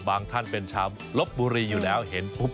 ท่านเป็นชาวลบบุรีอยู่แล้วเห็นปุ๊บ